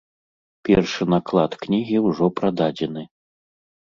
Першы наклад кнігі ўжо прададзены.